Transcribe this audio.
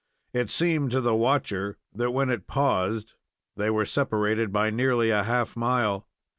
It seemed to the watcher that when it paused they were separated by nearly a half mile.